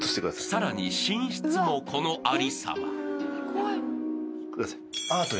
［さらに寝室もこのありさま］